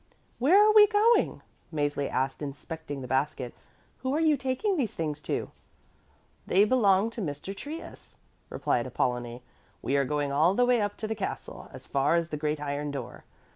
"Where are we going?" Mäzli asked, inspecting the basket. "Who are you taking these things to?" "They belong to Mr. Trius," replied Apollonie. "We are going all the way up to the castle, as far as the great iron door.